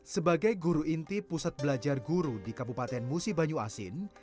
sebagai guru inti pusat belajar guru di kabupaten musi banyu asin